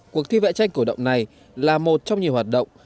cuộc thi vẽ tranh cổ động này là một trong nhiều hoạt động